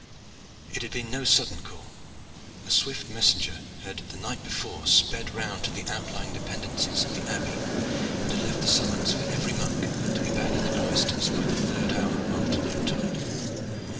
It had been no sudden call. A swift messenger had the night before sped round to the outlying dependencies of the Abbey, and had left the summons for every monk to be back in the cloisters by the third hour after noontide.